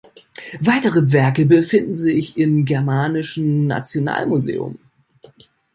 Weitere Werke befinden sich im Germanischen Nationalmuseum.